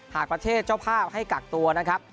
หากประเทศเจ้าภาพให้กักตัวนะครับ